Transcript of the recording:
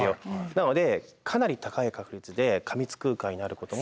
なのでかなり高い確率で過密空間になることも予想されてます。